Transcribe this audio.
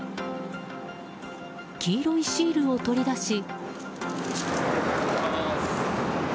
黄色いシールを取り出し。